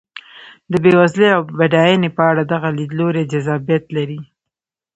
د بېوزلۍ او بډاینې په اړه دغه لیدلوری جذابیت لري.